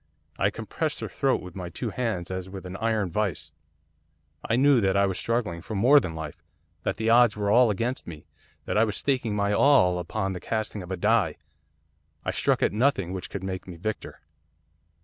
I compressed her throat with my two hands as with an iron vice. I knew that I was struggling for more than life, that the odds were all against me, that I was staking my all upon the casting of a die, I stuck at nothing which could make me victor.